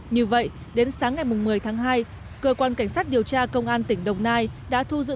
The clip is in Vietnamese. như vậy đến sáng ngày một mươi tháng hai cơ quan cảnh sát điều tra công an tỉnh đồng nai đã thu giữ